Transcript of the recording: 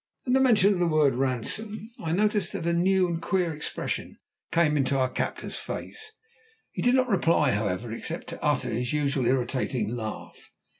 At the mention of the word "ransom" I noticed that a new and queer expression came into our captor's face. He did not reply, however, except to utter his usual irritating laugh.